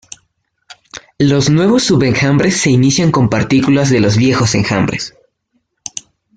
Los nuevos sub-enjambres se inician con partículas de los viejos enjambres.